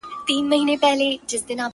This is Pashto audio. پوره اتلس سوه کاله چي خندا ورکړه خو,